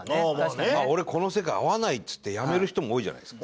俺この世界合わないっつって辞める人も多いじゃないですか。